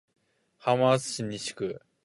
浜松市西区